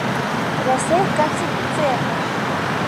Рәсәй конституцияһы!..